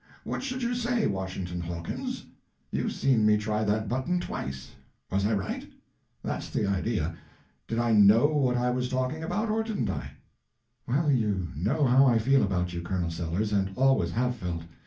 What should you say, Washington Hawkins? You've seen me try that button twice. Was I right?—that's the idea. Did I know what I was talking about, or didn't I?" "Well, you know how I feel about you, Colonel Sellers, and always have felt.